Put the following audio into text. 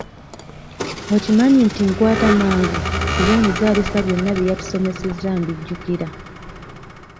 Okimanyi nti nkwata mangu kuba omuzaalisa byonna bye yatusomesezza mbijjukira?